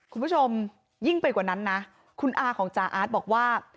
คุณผู้ชมยิ่งไปกว่านั้นนะคุณอาของจาอาร์ตบอกว่า